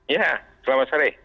ya selamat sore